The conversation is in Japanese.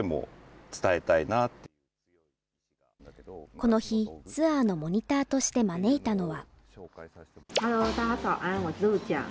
この日、ツアーのモニターとして招いたのは。